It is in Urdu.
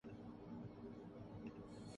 میں کینٹونمینٹ کے علاقے میں رہائش رکھتا ہوں۔